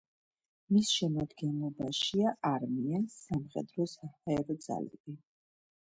მის შემადგენლობაშია: არმია, სამხედრო-საჰაერო ძალები.